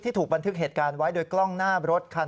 ถูกบันทึกเหตุการณ์ไว้โดยกล้องหน้ารถคัน